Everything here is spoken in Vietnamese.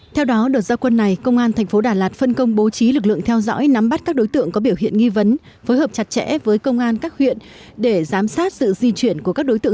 theo đó đợt giao quân này công an thành phố đà lạt phân công bố trí lực lượng theo dõi nắm bắt các đối tượng có biểu hiện nghi vấn phối hợp chặt chẽ với công an các huyện để giám sát sự di chuyển của các đối tượng